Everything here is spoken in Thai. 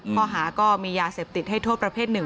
ข้อหาก็มียาเสพติดให้โทษประเภทหนึ่ง